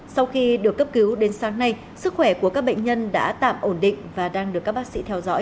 sau khi được cấp cứu đến sáng nay sức khỏe của các bệnh nhân đã tạm ổn định và đang được các bác sĩ theo dõi